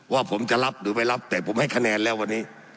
ว่าผมจะรับหรือไม่รับแต่ผมให้คะแนนแล้ววันนี้